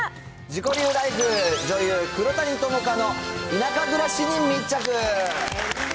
自己流ライフ、女優・黒谷友香の田舎暮らしに密着。